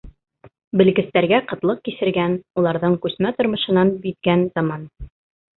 Белгестәргә ҡытлыҡ кисергән, уларҙың күсмә тормошонан биҙгән заман.